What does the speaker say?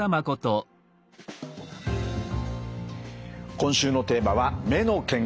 今週のテーマは「目の健康」です。